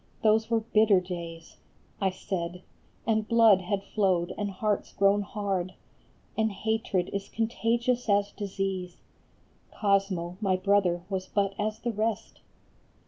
Those were bitter days, I said, and blood had flowed and hearts grown hard, And hatred is contagious as disease. Cosmo, my brother, was but as the rest.